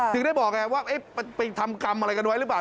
ถึงได้บอกไงว่าไปทำกรรมอะไรกันไว้หรือเปล่า